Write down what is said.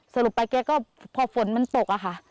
สรุปไปแกก็พอฝนมันตกอะค่ะ